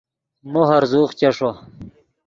مو ہرزوغ چیݰو